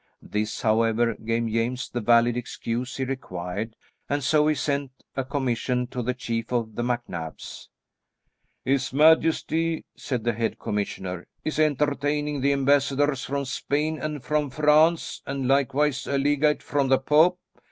This, however, gave James the valid excuse he required, and so he sent a commission to the chief of the MacNabs. "His majesty," said the head commissioner, "is entertaining the ambassadors from Spain and from France, and likewise a legate from the Pope.